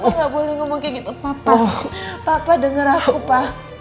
papa gak boleh ngomong kayak gitu papa denger aku papa